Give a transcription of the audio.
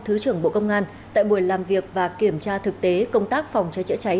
thứ trưởng bộ công an tại buổi làm việc và kiểm tra thực tế công tác phòng cháy chữa cháy